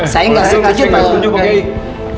saya gak setuju pak kiai